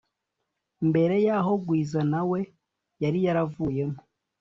mbere yaho gwiza nawe yari yaravuyemo,